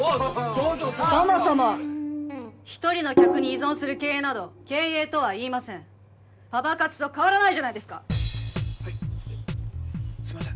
上々そもそも一人の客に依存する経営など経営とは言いませんパパ活と変わらないじゃないですかはいすいません